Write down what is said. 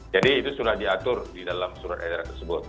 itu sudah diatur di dalam surat edaran tersebut